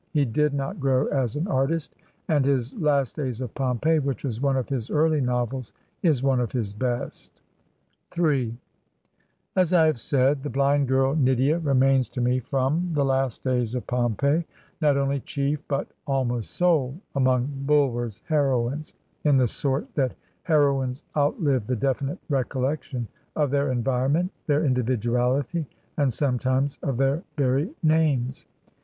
He did not grow as an artist, and his "Last Days of Pompeii," which was one of his early novels, is one of his best. m As I have said, the blind girl Nydia remains to me from "The Last Days of Pompeii" not only chief but almost sole among Bulwer's heroines, in the sort that heroines outUve the definite recollection of their en vironment, their individuality, and sometimes of their very names.